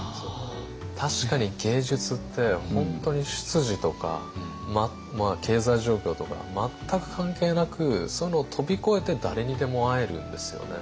確かに芸術って本当に出自とか経済状況とか全く関係なくそういうのを飛び越えて誰にでも会えるんですよね。